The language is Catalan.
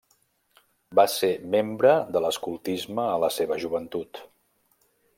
Va ser membre de l'escoltisme a la seva joventut.